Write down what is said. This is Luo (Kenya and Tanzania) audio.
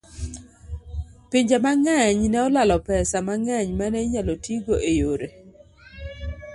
Pinje mang'eny ne olalo pesa mang'eny ma ne inyalo tigo e yore